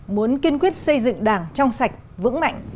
muốn kiên quyết xây dựng đảng trong sạch vững mạnh